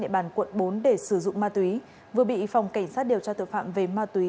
địa bàn quận bốn để sử dụng ma túy vừa bị phòng cảnh sát điều tra tội phạm về ma túy